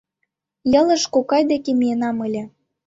— Ялыш кокай деке миенам ыле.